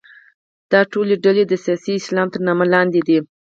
دا ټولې ډلې د سیاسي اسلام تر نامه لاندې دي.